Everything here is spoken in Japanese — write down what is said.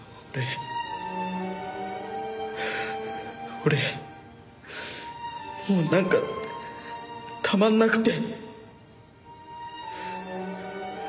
俺もうなんかたまんなくて。